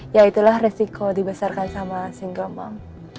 ya itulah resiko dibesarkan sama single mom